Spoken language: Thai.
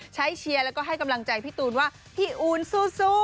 เชียร์แล้วก็ให้กำลังใจพี่ตูนว่าพี่อูนสู้